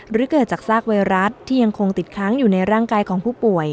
หรือเกิดจากซากไวรัสที่ยังคงติดค้างอยู่ในร่างกายของผู้ป่วย